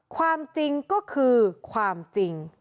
ความจริงก็คือความจริง